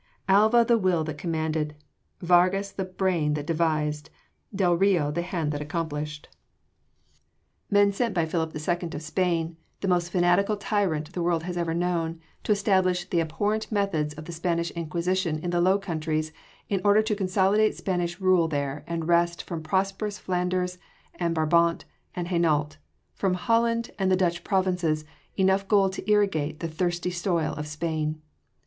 Alva the will that commanded! Vargas the brain that devised! Del Rio the hand that accomplished! Men sent by Philip II. of Spain, the most fanatical tyrant the world has ever known, to establish the abhorrent methods of the Spanish Inquisition in the Low Countries in order to consolidate Spanish rule there and wrest from prosperous Flanders and Brabant and Hainault, from Holland and the Dutch provinces enough gold to irrigate the thirsty soil of Spain.